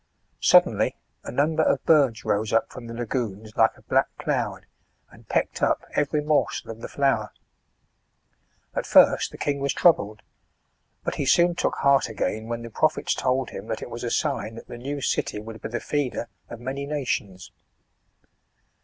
Suddenly a number of birds rose up from the lagoons like a black cloud, and pecked up every morsel of the flour. At first the king was troubled ; but he soon took heart again when the prophets told him that it was a sign, that the new city would be the feeder of many nations.